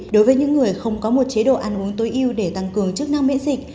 đối với những người không có một chế độ ăn uống tối ưu để tăng cường chức năng miễn dịch